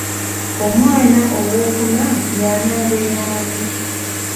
Omwana owookuna y’anaabeera ani?